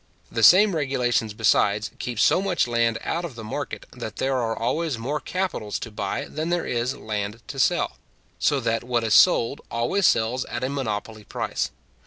The same regulations, besides, keep so much land out of the market, that there are always more capitals to buy than there is land to sell, so that what is sold always sells at a monopoly price.